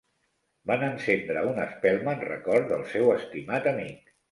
Van encendre una espelma en record del seu estimat amic.